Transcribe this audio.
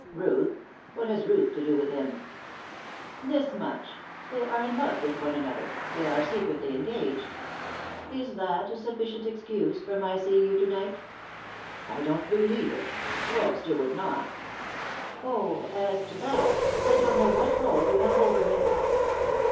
"Ruth what has Ruth to do with him?" "This much. They are in love with one another; they are secretly engaged. Is that a sufficient excuse for my seeing you to night?" "I don't believe it. Webster would not " "Oh, as to that, I don't know what hold you have over him."